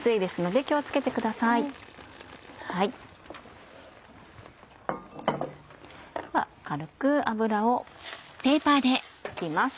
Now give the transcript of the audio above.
では軽く油を拭きます。